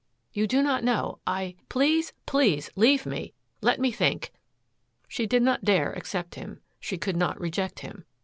You do not know I please, please leave me. Let me think." She did not dare accept him; she could not reject him.